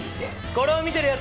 これを見てる奴